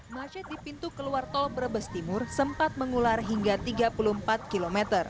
macet di pintu keluar tol brebes timur sempat mengular hingga tiga puluh empat km